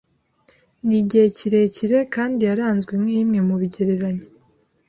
nigihe kirekire kandi yaranzwe nkimwe mu bigereranyo